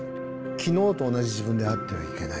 昨日と同じ自分であってはいけない。